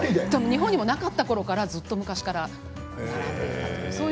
日本にもなかったころからずっと昔からあったんですね。